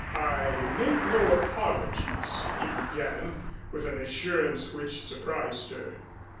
"I make no apologies," he began with an assurance which surprised her.